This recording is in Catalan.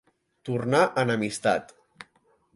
Tornar en amistat.